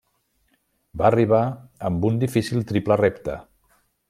Va arribar amb un difícil triple repte.